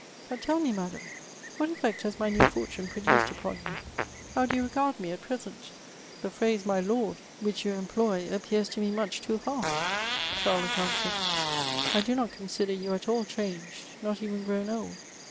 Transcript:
But tell me, Madam, what effect has my new fortune produced upon you ? How do you regard me at present ? the phrase my Lord^ which you em ploy, appears to me much too harsh/' Charlotte answered :'^ I do not consider you at all changed ; not even grown old.